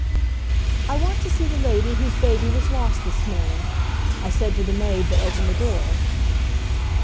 "I want to see the lady whose baby was lost this morning," I said to the maid that opened the door.